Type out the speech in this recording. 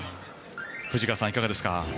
藤川さんはいかがですか。